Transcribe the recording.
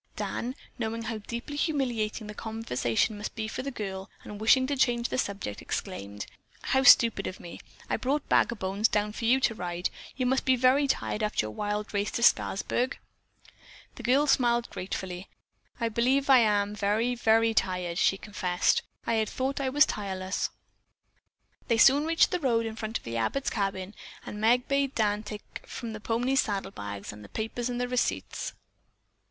Dan, knowing how deeply humiliating the conversation must be for the girl and wishing to change the subject, exclaimed: "How stupid of me! I brought Bag o' Bones down for you to ride. You must be very tired after your wild race to Scarsburg." The girl smiled gratefully. "I believe I am very, very tired," she confessed, "which happens but seldom. I had thought that I was tireless." They soon reached the road in front of the Abbotts' cabin and Meg bade Dan take from the pony's saddle bags the papers and receipts.